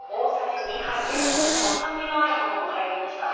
酸味のあるものも入りましたね。